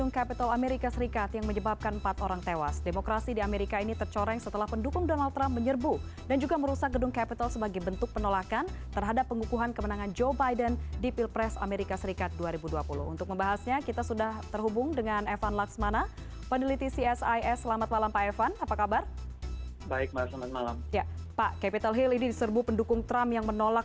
kedung capital amerika serikat